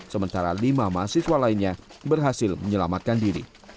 sementara lima mahasiswa lainnya berhasil menyelamatkan diri